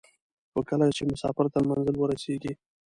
خو کله چې مسافر تر منزل ورسېږي.